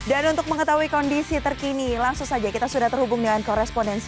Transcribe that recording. dan untuk mengetahui kondisi terkini langsung saja kita sudah terhubung dengan korespondensi